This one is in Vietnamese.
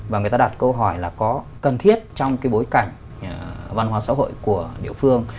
và người ta đặt câu hỏi là có cần thiết trong cái bối cảnh văn hóa xã hội của địa phương